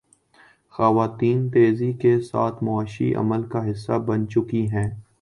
خواتین تیزی کے ساتھ معاشی عمل کا حصہ بن چکی ہیں۔